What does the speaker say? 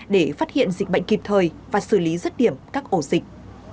để phát hiện dịch bệnh kịp thời và xử lý rất điểm các ổ dịch